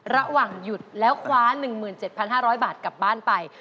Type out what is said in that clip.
ระหว่างหยุดแล้วคว้า๑๗๕๐๐บาทกลับบ้านไป